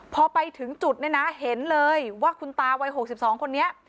พอไปถึงจุดเนี่ยนะเห็นเลยว่าคุณตาวัย๖๒คนนี้